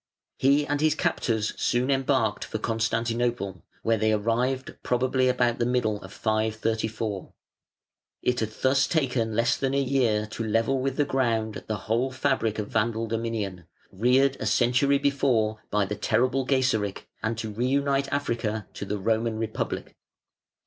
He and his captors soon embarked for Constantinople, where they arrived probably about the middle of 534. It had thus taken less than a year to level with the ground the whole fabric of Vandal dominion, reared a century before by the terrible Gaiseric, and to reunite Africa to the Roman Republic.